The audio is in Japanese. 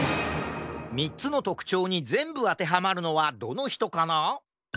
３つのとくちょうにぜんぶあてはまるのはどのひとかな？